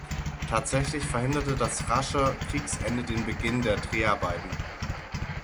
Tatsächlich verhinderte das rasche Kriegsende den Beginn der Dreharbeiten.